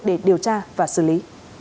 để điều tra và xử lý